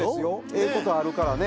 ええことあるからね。